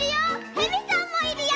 へびさんもいるよ！